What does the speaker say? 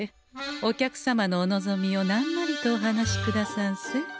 お客様のお望みを何なりとお話しくださんせ。